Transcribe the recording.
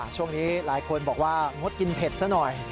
ช่วงนี้หลายคนบอกว่างดกินเผ็ดซะหน่อย